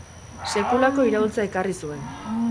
Sekulako iraultza ekarri zuen.